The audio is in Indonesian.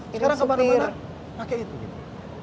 sekarang kemana mana pakai itu gitu